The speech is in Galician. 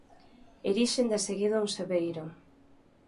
Erixen de seguido un sebeiro.